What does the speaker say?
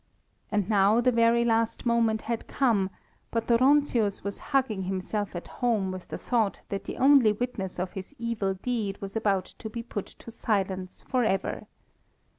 And now the very last moment had come, but Dóronczius was hugging himself at home with the thought that the only witness of his evil deed was about to be put to silence for ever.